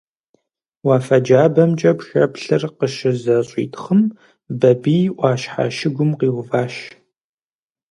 Уафэ джабэмкӀэ пшэплъыр къыщызэщӀитхъым, Бабий Ӏуащхьэ щыгум къиуващ.